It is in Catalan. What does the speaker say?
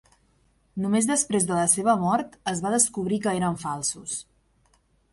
Només després de la seva mort es va descobrir que eren falsos.